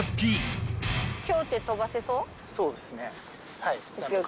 そうですね。